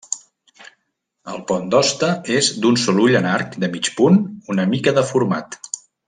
El pont d'Hoste és d'un sol ull en arc de mig punt una mica deformat.